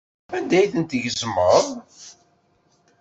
Anda ay tent-tgezmeḍ?